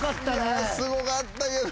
いやすごかったけど。